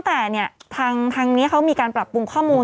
คือตั้งแต่ทางนี้เขามีการปรับปรุงข้อมูล